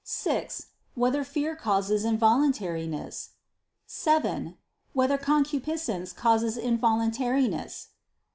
(6) Whether fear causes involuntariness? (7) Whether concupiscence causes involuntariness?